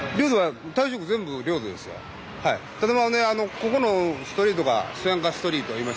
ここのストリートが「そやんかストリート」言います。